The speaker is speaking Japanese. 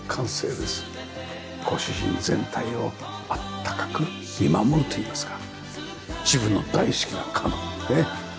ご主人全体をあったかく見守るといいますか自分の大好きな家具ねえ。